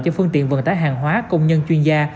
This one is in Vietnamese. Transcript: cho phương tiện vận tải hàng hóa công nhân chuyên gia